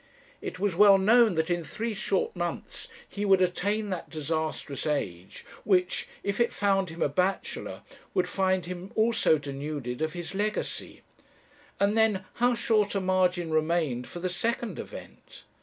It was well known that in three short months he would attain that disastrous age, which, if it found him a bachelor, would find him also denuded of his legacy. And then how short a margin remained for the second event!